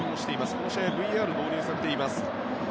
この試合はＶＡＲが導入されています。